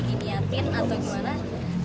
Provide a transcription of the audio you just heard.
iniatin atau gimana